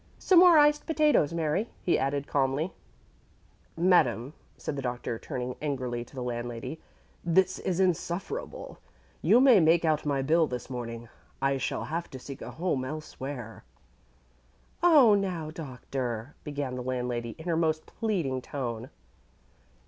Some more iced potatoes, Mary," he added, calmly. [Illustration: "'READING WEBSTER'S DICTIONARY'"] "Madame," said the Doctor, turning angrily to the landlady, "this is insufferable. You may make out my bill this morning. I shall have to seek a home elsewhere." "Oh, now, Doctor!" began the landlady, in her most pleading tone.